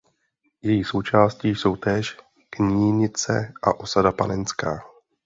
Její součástí jsou též Knínice a osada Panenská.